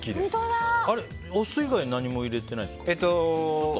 お酢以外、何も入れてないですか。